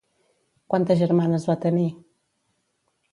Quantes germanes va tenir?